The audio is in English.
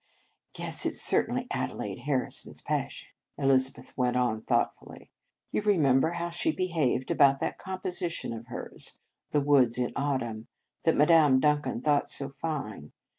" Yes, it s certainly Adelaide Har rison s passion," Elizabeth went on thoughtfully. " You remember how she behaved about that composition of hers, The Woods in Autumn, that Madame Duncan thought so fine.